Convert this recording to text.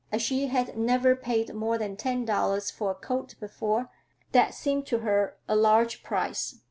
As she had never paid more than ten dollars for a coat before, that seemed to her a large price.